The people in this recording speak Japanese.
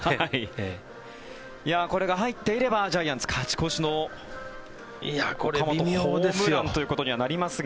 これが入っていればジャイアンツ勝ち越しの岡本、ホームランということになりますが。